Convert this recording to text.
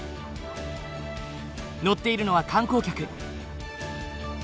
乗っているのは観光客。